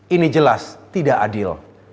ini jelas tidak adil